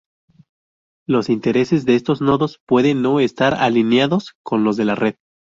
Los intereses de estos nodos pueden no estar alineados con los de la red.